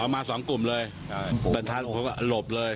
อ๋อมาสองกลุ่มเลยประทัดผมก็หลบเลย